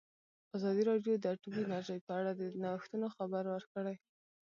ازادي راډیو د اټومي انرژي په اړه د نوښتونو خبر ورکړی.